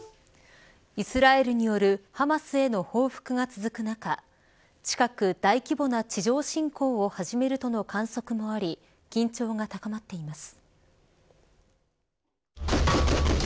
イスラエルによるハマスへの報復が続く中近く大規模な地上侵攻を始めるとの観測もあり緊張が高まっています。